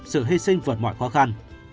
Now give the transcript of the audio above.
sự hy sinh vượt mọi khó khăn